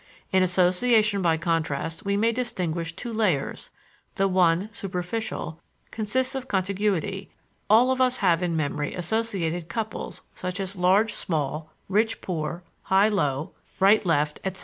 In association by contrast we may distinguish two layers, the one, superficial, consists of contiguity: all of us have in memory associated couples, such as large small, rich poor, high low, right left, etc.